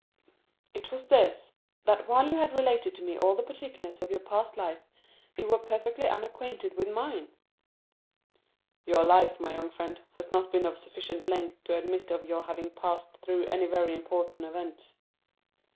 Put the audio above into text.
"It was this,—that while you had related to me all the particulars of your past life, you were perfectly unacquainted with mine." "Your life, my young friend, has not been of sufficient length to admit of your having passed through any very important events."